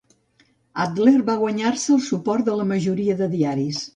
Adler va guanyar-se el suport de la majoria de diaris.